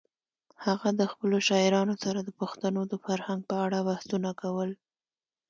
هغه د خپلو شاعرانو سره د پښتنو د فرهنګ په اړه بحثونه کول.